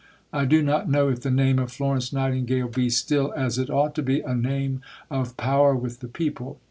'" I do not know if the name of Florence Nightingale be still as it ought to be a name of power with the people.